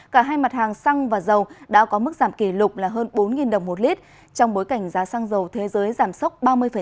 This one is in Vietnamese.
cả hai mặt hàng xăng và dầu đã có mức giảm kỷ lục là hơn bốn đồng một lít trong bối cảnh giá xăng dầu thế giới giảm sốc ba mươi